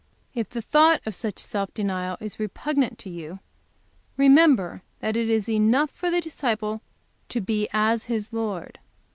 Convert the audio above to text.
"If the thought of such self denial is repugnant to you, remember that it is enough for the disciple to be as his Lord.